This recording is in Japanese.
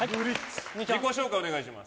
自己紹介をお願いします。